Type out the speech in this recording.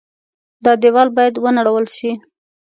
دا دېوال باید ونړول شي.